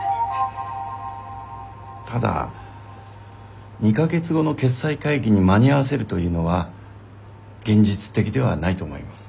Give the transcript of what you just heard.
ただ２か月後の決裁会議に間に合わせるというのは現実的ではないと思います。